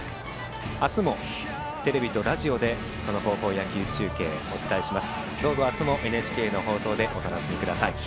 明日もテレビとラジオでこの高校野球中継をお伝えします。